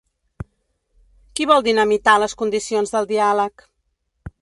Qui vol dinamitar les condicions del diàleg?